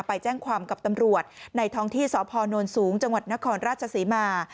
ไปแจ้งความกับตำรวจในท้องที่สพนสูงจังหวัดนครราชศรีมา